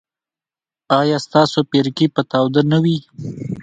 ایا ستاسو پیرکي به تاوده نه وي؟